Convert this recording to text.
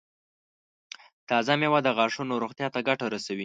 تازه مېوه د غاښونو روغتیا ته ګټه رسوي.